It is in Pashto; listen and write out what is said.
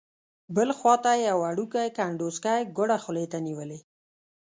بل خوا ته یې یو وړوکی کنډوسکی ګوړه خولې ته نیولې.